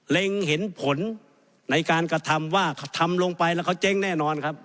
เห็นผลในการกระทำว่าทำลงไปแล้วเขาเจ๊งแน่นอนครับ